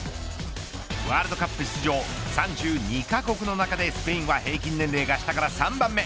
ワールドカップ出場３２カ国の中でスペインは平均年齢が下から３番目。